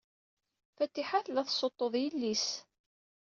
Fatiḥa tella tessuṭṭuḍ yelli-s.